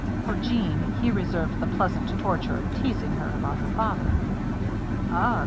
For Jeanne, he reserved the pleasant torture of teasing her about her father. "Ugh!"